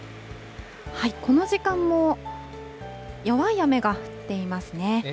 この時間も弱い雨が降っていますね。